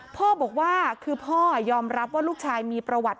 พ่อบอกว่าคือพ่อยอมรับว่าลูกชายมีประวัติ